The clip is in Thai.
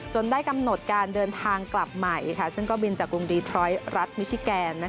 ได้กำหนดการเดินทางกลับใหม่ซึ่งก็บินจากกรุงดีทรอยด์รัฐมิชิแกน